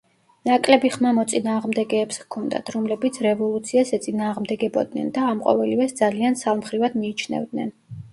ნაკლები ხმა მოწინააღმდეგეებს ჰქონდათ, რომლებიც რევოლუციას ეწინააღმდეგებოდნენ და ამ ყოველივეს ძალიან ცალმხრივად მიიჩნევდნენ.